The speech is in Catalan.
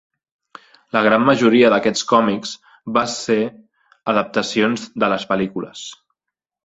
La gran majoria d'aquest còmics van ser adaptacions de les pel·lícules.